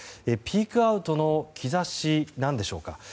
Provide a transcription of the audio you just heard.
ピークアウトの兆しなんでしょうか。